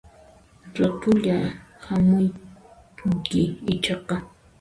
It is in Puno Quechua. Ratullayá hamunki ichaqa